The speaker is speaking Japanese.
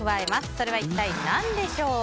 それは一体何でしょう？